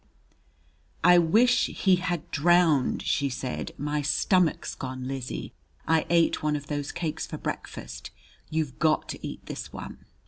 "I wish he had drowned!" she said. "My stomach's gone, Lizzie! I ate one of those cakes for breakfast. You've got to eat this one."